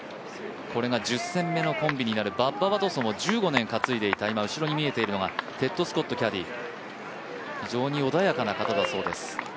これが１０戦目のコンビになるバッバ・ワトソンを１５年担いでいた後ろに見えているのがテッド・スコットキャディー、非常に穏やかな方だそうです。